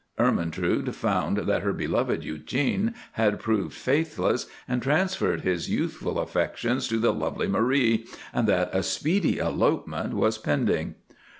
Ermentrude found that her beloved Eugene had proved faithless, and transferred his youthful affections to the lovely Marie, and that a speedy elopement was pending.